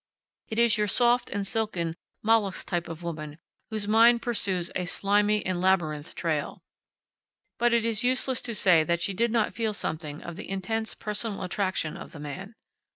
It is your soft and silken mollusc type of woman whose mind pursues a slimy and labyrinthine trail. But it is useless to say that she did not feel something of the intense personal attraction of the man.